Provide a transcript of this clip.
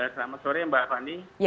selamat sore mbak fani